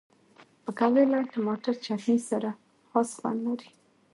پکورې له ټماټر چټني سره خاص خوند لري